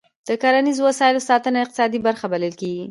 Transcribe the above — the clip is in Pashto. د کرنیزو وسایلو ساتنه د اقتصاد برخه بلل کېږي.